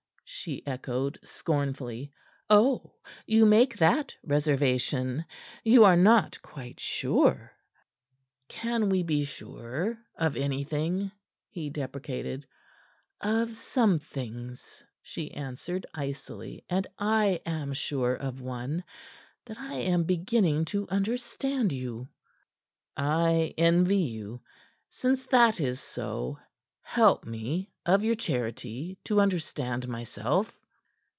she echoed scornfully. "Oh, you make that reservation! You are not quite sure?" "Can we be sure of anything?" he deprecated. "Of some things," she answered icily. "And I am sure of one that I am beginning to understand you." "I envy you. Since that is so, help me of your charity! to understand myself."